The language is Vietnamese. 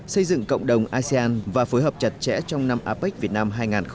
xây dựng cộng đồng asean và phối hợp chặt chẽ trong năm apec việt nam hai nghìn hai mươi